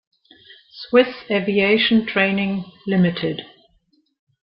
Swiss Aviation Training Ltd.